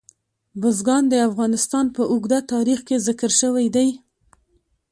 بزګان د افغانستان په اوږده تاریخ کې ذکر شوی دی.